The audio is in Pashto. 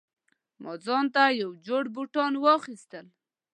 ما ځانته یو جوړ بوټان واخیستل